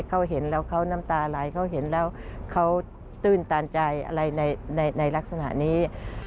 เขาเห็นแล้วเขาน้ำตาไหลเขาเห็นแล้วเขาตื้นตันใจอะไรในลักษณะนี้